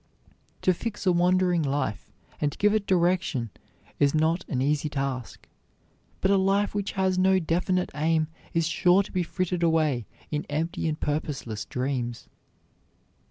To fix a wandering life and give it direction is not an easy task, but a life which has no definite aim is sure to be frittered away in empty and purposeless dreams.